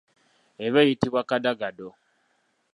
Eba eyitibwa kadagado.